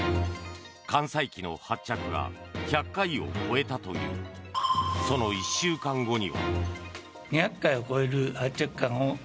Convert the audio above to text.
艦載機の発着が１００回を超えたというその１週間後には。